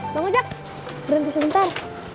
bang ujang berhenti sebentar